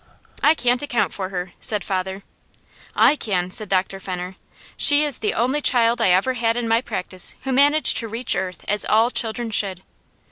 "I can't account for her," said father. "I can!" said Dr. Fenner. "She is the only child I ever have had in my practice who managed to reach earth as all children should.